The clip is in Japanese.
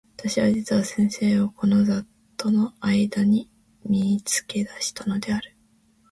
私は実に先生をこの雑沓（ざっとう）の間（あいだ）に見付け出したのである。